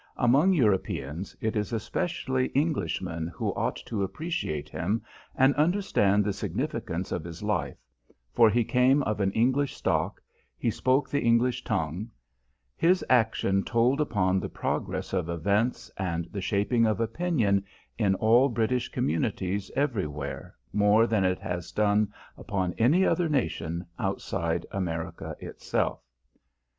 Among Europeans, it is especially Englishmen who ought to appreciate him and understand the significance of his life, for he came of an English stock, he spoke the English tongue, his action told upon the progress of events and the shaping of opinion in all British communities everywhere more than it has done upon any other nation outside America itself.